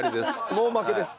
もう負けです。